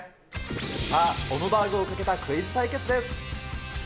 さあ、オムバーグをかけたクイズ対決です。